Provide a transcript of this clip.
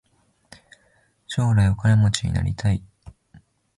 将来お金持ちになりたい。